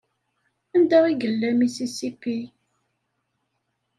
Anda i yella Mississippi?